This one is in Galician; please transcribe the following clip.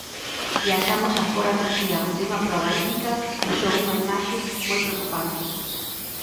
Viaxamos agora a Turquía, onde unha proba hípica deixou unha imaxe moi preocupante.